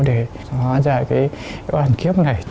để hóa giải cái hoàn kiếp này